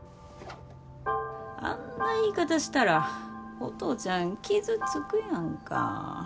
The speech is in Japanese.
あんな言い方したらお父ちゃん傷つくやんか。